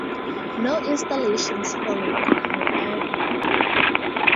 No installations followed, however.